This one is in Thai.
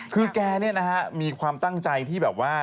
คือแกเนี่ยนะฮะมีความตั้งใจที่แบบว่า